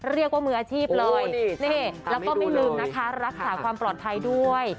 เรียกว่ามืออาชีพเลยนี่แล้วก็ไม่ลืมนะคะรักษาความปลอดภัยด้วย